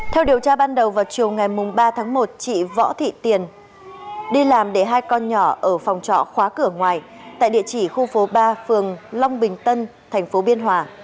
theo điều tra ban đầu vào chiều ngày ba tháng một chị võ thị tiền đi làm để hai con nhỏ ở phòng trọ khóa cửa ngoài tại địa chỉ khu phố ba phường long bình tân thành phố biên hòa